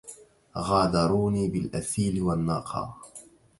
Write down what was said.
غادروني بالأثيل والنقا